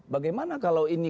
bagaimana kalau ini